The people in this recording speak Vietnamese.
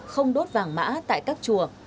không đốt vàng mã tại các chùa